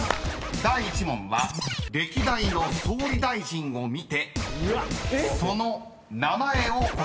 ［第１問は歴代の総理大臣を見てその名前を答えていただきます］